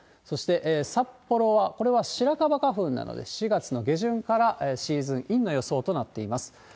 そして、札幌はこれはシラカバ花粉なので、４月の下旬からシーズンインの予想となっております。